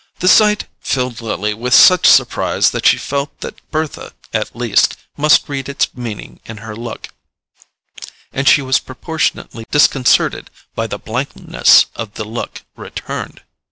The sight filled Lily with such surprise that she felt that Bertha, at least, must read its meaning in her look, and she was proportionately disconcerted by the blankness of the look returned.